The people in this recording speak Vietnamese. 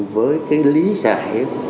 với cái lý giải